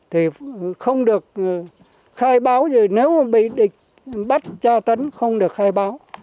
thì không được khai báo gì nếu mà bị địch bắt tra tấn không được khai báo